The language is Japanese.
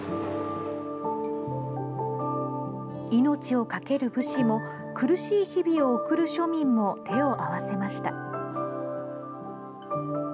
命をかける武士も苦しい日々を送る庶民も手を合わせました。